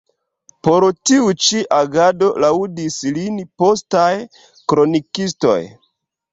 Por tiu ĉi agado laŭdis lin postaj kronikistoj.